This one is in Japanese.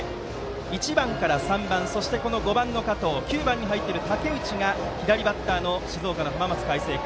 １番から３番と５番の加藤９番に入っている竹内が左バッターの静岡の浜松開誠館。